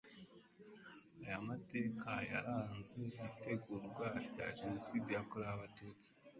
aya mateka yaranze itegurwa rya Jenoside yakorewe Abatutsi